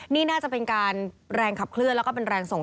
นักวิชาการแรงขับเคลื่อนและเป็นแรงส่ง